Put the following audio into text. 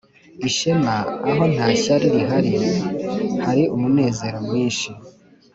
ishema aho nta ishyari rihari, hari umunezero mwinshi;